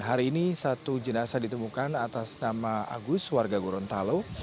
hari ini satu jenazah ditemukan atas nama agus warga gorontalo